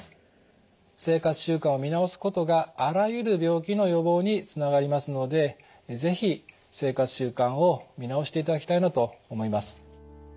生活習慣を見直すことがあらゆる病気の予防につながりますので是非生活習慣を見直していただきたいなと思います。